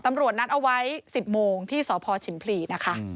นัดเอาไว้๑๐โมงที่สพชิมพลีนะคะ